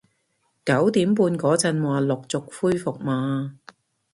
九點半嗰陣話陸續恢復嘛